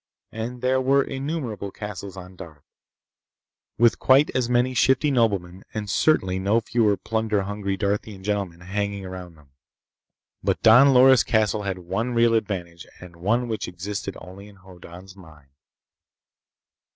And there were innumerable castles on Darth, with quite as many shiftly noblemen, and certainly no fewer plunder hungry Darthian gentlemen hanging around them. But Don Loris' castle had one real advantage and one which existed only in Hoddan's mind.